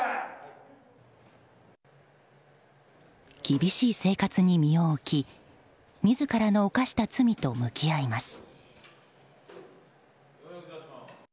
厳しい生活に身を置き自らの犯した罪と向き合います。